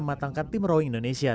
pertama tim rowing indonesia